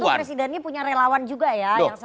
presidennya punya relawan juga ya yang seperti